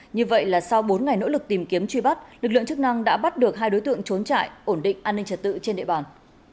như vậy là sau bốn ngày nỗ lực tìm kiếm truy bắt lực lượng chức năng đã bắt được hai đối tượng trốn trại ổn định an ninh trật tự trên địa bàn